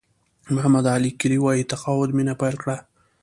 محمد علي کلي وایي تقاعد مینه پیل کړه.